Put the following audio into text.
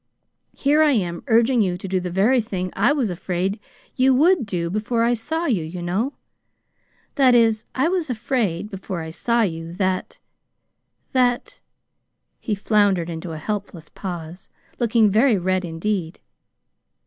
"Here I am urging you to do the very thing I was afraid you WOULD do before I saw you, you know. That is, I was afraid before I saw you, that that " He floundered into a helpless pause, looking very red indeed.